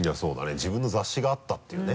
自分の雑誌があったっていうね